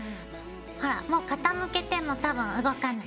ほらもう傾けても多分動かない。